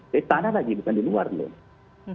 di istana lagi bukan di luar loh